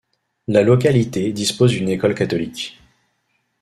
La localité dispose d'une école catholique.